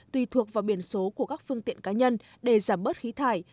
tùy thuộc vào biển số của các phương tiện cá nhân để giảm bớt khí thải